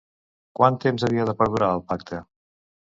Quant temps havia de perdurar el pacte?